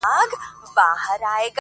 o هغوی د پېښي انځورونه اخلي,